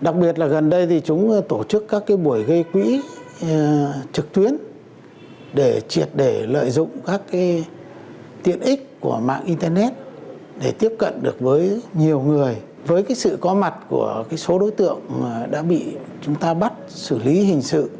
đặc biệt là gần đây thì chúng tổ chức các buổi gây quỹ trực tuyến để triệt để lợi dụng các tiện ích của mạng internet để tiếp cận được với nhiều người với sự có mặt của số đối tượng đã bị chúng ta bắt xử lý hình sự